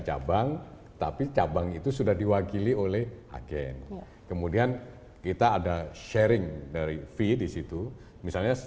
cabang tapi cabang itu sudah diwakili oleh agen kemudian kita ada sharing dari fee disitu misalnya